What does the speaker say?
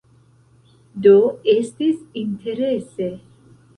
Do, estis interese